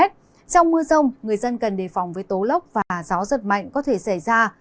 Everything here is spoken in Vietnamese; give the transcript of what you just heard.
trong mưa rông người dân cần đề phòng với tố lốc và gió giật mạnh có thể xảy ra